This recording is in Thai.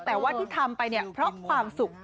แต่ว่าที่ทำไปเนี่ยเพราะความสุข